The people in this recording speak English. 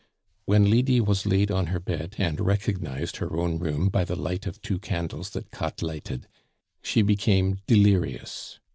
When Lydie was laid on her bed and recognized her own room by the light of two candles that Katt lighted, she became delirious.